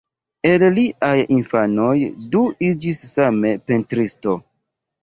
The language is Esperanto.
El liaj infanoj du iĝis same pentristo.